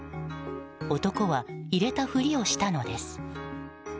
男は、入れたふりをしたのです。